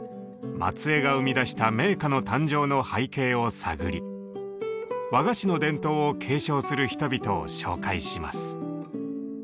松江が生み出した銘菓の誕生の背景を探り和菓子の伝統を継承する人々を紹介します。